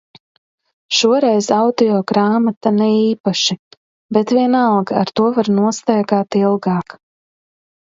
Šoreiz audio grāmata ne īpaši. Bet vienalga ar to var nostaigāt ilgāk.